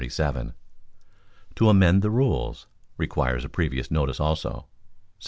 § 37. To Amend the Rules (requires previous notice also) ………..